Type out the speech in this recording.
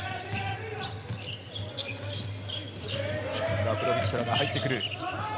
ラプロビットラが入ってくる。